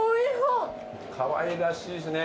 ・かわいらしいですね。